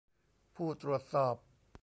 ผู้ตรวจสอบ